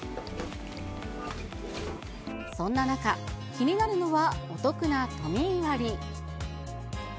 そんな中、気になるのはお得な都民割。